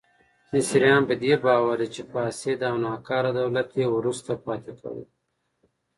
مصریان په دې باور دي چې فاسد او ناکاره دولت یې وروسته پاتې کړي.